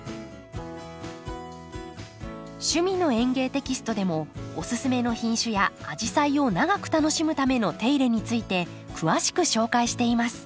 「趣味の園芸」テキストでもオススメの品種やアジサイを長く楽しむための手入れについて詳しく紹介しています。